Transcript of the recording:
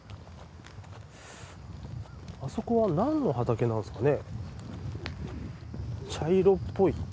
あそこは何の畑なんですかね？